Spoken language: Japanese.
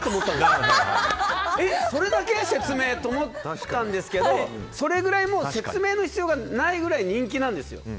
説明それだけ？と思ったんですけどそれぐらい説明の必要がないぐらい人気なんですよ。